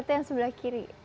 ratu yang sebelah kiri